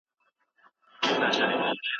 موږ نوي ماخذونه او کتابونه لټوو.